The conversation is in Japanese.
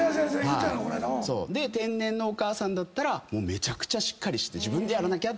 天然のお母さんだったらめちゃくちゃしっかりして自分でやらなきゃ！